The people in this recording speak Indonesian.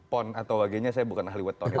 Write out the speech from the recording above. pon atau wagenya saya bukan ahli weton itu aja